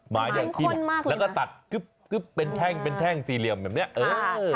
หมายถึงข้นมากแล้วก็ตัดเป็นแท่งเป็นแท่งสี่เหลี่ยมแบบเนี้ยเออ